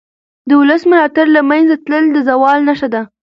د ولس ملاتړ له منځه تلل د زوال نښه ده